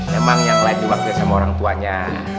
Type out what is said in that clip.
memang yang lain melakukannya dengan orang tuanya